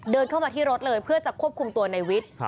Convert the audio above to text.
เดินเข้ามาที่รถเลยเพื่อจะควบคุมตัวในวิทย์